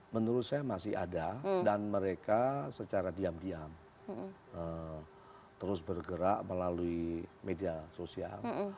menurut saya masih ada dan mereka secara diam diam terus bergerak melalui media sosial